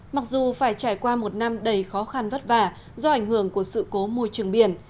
mặc dù phải trải qua một năm đầy khó khăn vất vả do ảnh hưởng của sự cố môi trường biển